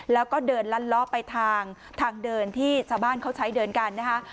แล้วก็เดินลัดล้อไปทางทางเดินที่ชาวบ้านเขาใช้เดินกันนะคะ